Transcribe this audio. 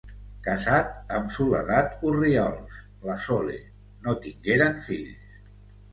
Casat amb Soledat Orriols, La Sole, no tingueren fills.